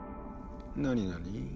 なになに？